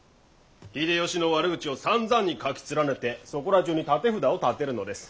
秀吉の悪口をさんざんに書き連ねてそこら中に立て札を立てるのです。